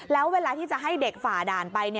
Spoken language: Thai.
แล้วเวลาที่จะให้เด็กฝ่าด่านไป